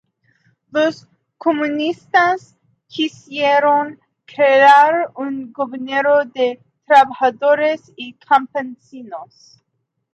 Los comunistas quisieron crear un gobierno de trabajadores y campesinos.